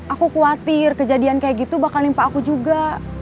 aku khawatir kejadian kayak gitu bakal nimpa aku juga